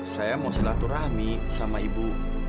saya mau silaturahmi sama ibu